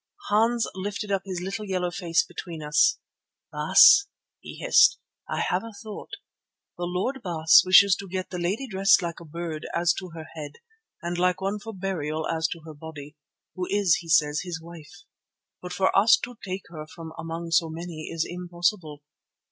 Hans lifted up his little yellow face between us. "Baas," he hissed, "I have a thought. The Lord Baas wishes to get the lady dressed like a bird as to her head and like one for burial as to her body, who is, he says, his wife. But for us to take her from among so many is impossible.